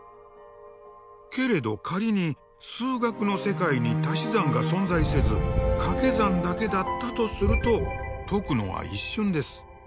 けれど仮に数学の世界にたし算が存在せずかけ算だけだったとすると解くのは一瞬です。